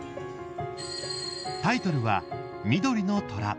タイトルは「緑の虎」。